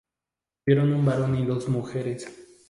Tuvieron un varón y dos mujeres.